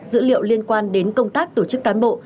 dữ liệu liên quan đến công tác tổ chức cán bộ